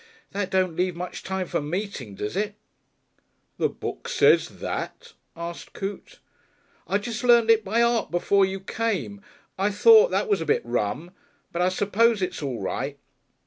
That don't leave much time for meeting, does it?" "The books says that?" asked Coote. "I jest learnt it by 'eart before you came. I thought that was a bit rum, but I s'pose it's all right."